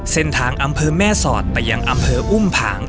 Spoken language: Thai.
เส้นทางอำเภอแม่สอดไปยังอำเภออุ้มผัง